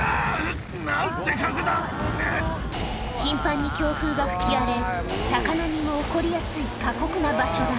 頻繁に強風が吹き荒れ高波も起こりやすい過酷な場所だ